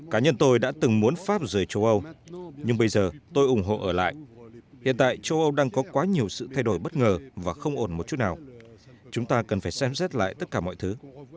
cá nhân tôi đã từng muốn pháp rời châu âu nhưng bây giờ tôi ủng hộ ở lại hiện tại châu âu đang có quá nhiều sự thay đổi bất ngờ và không ổn một chút nào chúng ta cần phải xem xét lại tất cả mọi thứ